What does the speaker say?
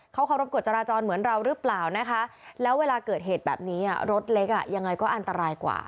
เขาเคารพกฎจราจรเหมือนเราหรือเปล่านะคะแล้วเวลาเกิดเหตุแบบนี้รถเล็กอ่ะยังไงก็อันตรายกว่า